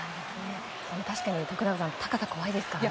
確かに高さが怖いですからね。